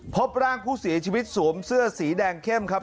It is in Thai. พบร่างผู้เสียชีวิตสวมเสื้อสีแดงเข้มครับ